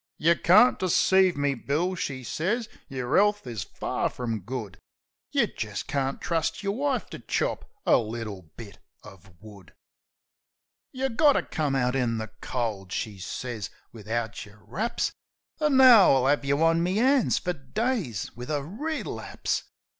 "Yeh can't deceive me, Bill," she sez. "Yer 'ealth is fur frum good. Yeh jist can't trust yer wife to chop a little bit uv wood! 23 Possum "Ych got to come out in the cold," she sez, "wivout yer wraps. An' now I'll 'avc yeh on me 'ands fer days wiv a relapse!"